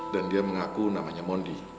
dan dia mengaku namanya mondi